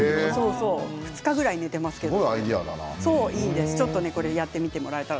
２日ぐらい寝ていますけれども。